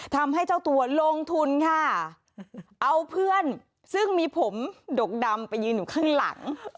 ทำให้เจ้าตัวลงทุนค่ะเอาเพื่อนซึ่งมีผมดกดำไปยืนอยู่ข้างหลัง